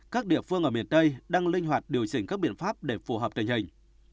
các địa phương ở miền tây đang linh hoạt điều chỉnh các biện pháp để phù hợp tình hình